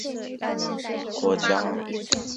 一个项目每个国家只允许派一支队参加。